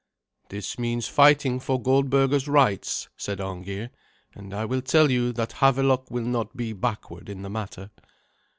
"This means fighting for Goldberga's rights," said Arngeir, "and I will tell you that Havelok will not be backward in the matter."